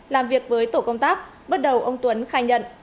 làm việc với tổ công tác bước đầu ông tuấn khai nhận